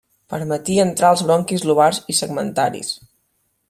Permetí entrar als bronquis lobars i segmentaris.